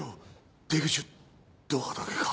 出口はドアだけか。